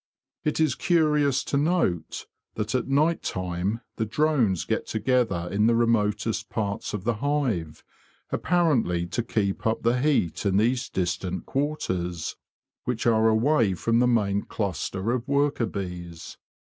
It is curious to note that at night time the drones get together in the remotest parts of the hive, apparently to keep up the heat in these distant quarters, which are away from the main cluster of worker bees.